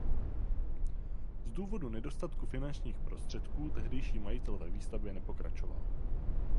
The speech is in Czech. Z důvodu nedostatku finančních prostředků tehdejší majitel ve výstavbě nepokračoval.